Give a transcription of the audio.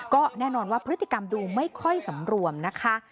ก็แน่นอนว่าพฤติกรรมดูไม่ค่อยสำรวมนะคะ